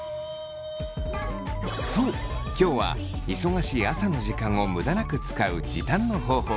そう今日は忙しい朝の時間を無駄なく使う時短の方法